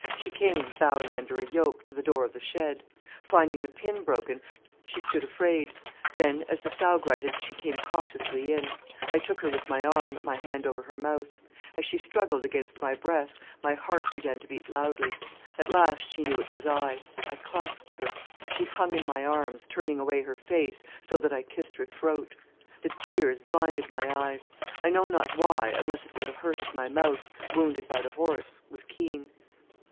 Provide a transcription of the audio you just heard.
She came, bowing under a yoke, to the door of the shed. Finding the pin broken she stood afraid, then, as the sow grunted, she came cautiously in. I took her with my arm, my hand over her mouth. As she struggled against my breast my heart began to beat loudly. At last she knew it was I. I clasped her. She hung in my arms, turning away her face, so that I kissed her throat. The tears blinded my eyes, I know not why, unless it were the hurt of my mouth, wounded by the horse, was keen.